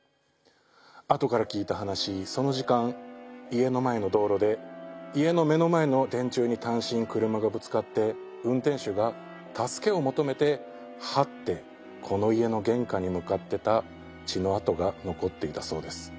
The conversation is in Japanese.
後から聞いた話その時間家の前の道路で家の目の前の電柱に単身車がぶつかって運転手が助けを求めて這ってこの家の玄関に向かってた血の痕が残っていたそうです。